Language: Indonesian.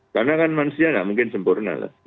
jatahnya tidak mungkin sempurna